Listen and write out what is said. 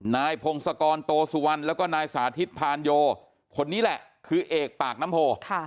นายพงศกรโตสุวรรณแล้วก็นายสาธิตพานโยคนนี้แหละคือเอกปากน้ำโพ